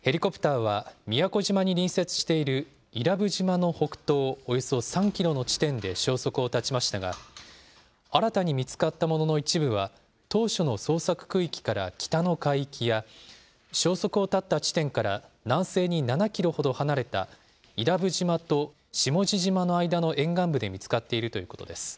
ヘリコプターは、宮古島に隣接している伊良部島の北東およそ３キロの地点で消息を絶ちましたが、新たに見つかったものの一部は、当初の捜索区域から北の海域や、消息を絶った地点から南西に７キロほど離れた伊良部島と下地島の間の沿岸部で見つかっているということです。